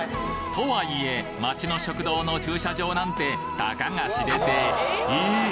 とはいえ街の食堂の駐車場なんてたかが知れてえっ！